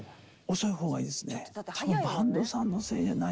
遅い方がいいですね。